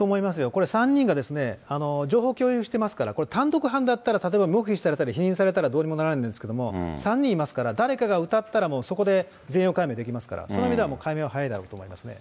これ、３人が情報共有してますから、これ、単独犯だったら例えば黙秘されたり否認されたらどうにもならないんですけれども、３人いますから、誰かがうたったら、そこで全容解明できますから、その意味では解明は早いだろうと思いますね。